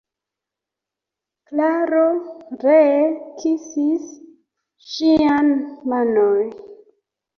Klaro ree kisis ŝian manon.